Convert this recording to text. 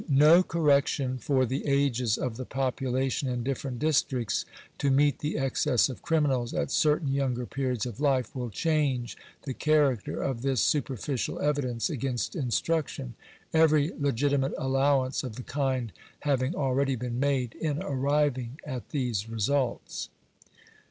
No correction for the ages of the population in different districts, to meet the excess of criminals at certain younger periods of life, will change the character of this superficial evidence against instruction ; every legitimate allowance of the kind having already been made in arriving at these results.